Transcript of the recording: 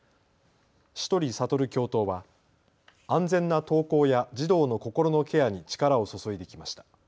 倭文覚教頭は安全な登校や児童の心のケアに力を注いできました。